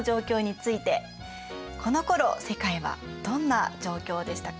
このころ世界はどんな状況でしたか？